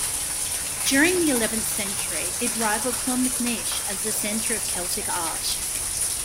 During the eleventh century, it rivaled Clonmacnoise as the centre of Celtic art.